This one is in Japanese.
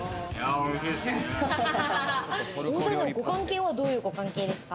お２人のご関係はどういうご関係ですか？